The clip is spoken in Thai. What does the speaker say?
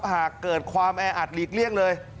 หากเกิดความแออัดหลีกเลี่ยงเลย